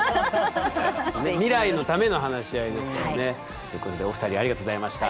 未来のための話し合いですからね。ということでお二人ありがとうございました。